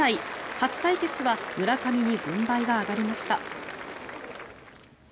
初対決は村上に軍配が上がりました。